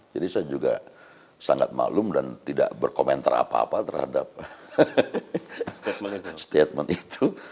jadi saya juga sangat malu dan tidak berkomentar apa apa terhadap statement itu